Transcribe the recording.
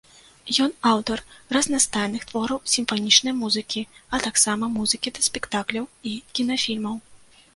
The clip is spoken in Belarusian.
Ён аўтар разнастайных твораў сімфанічнай музыкі, а таксама музыкі да спектакляў і кінафільмаў.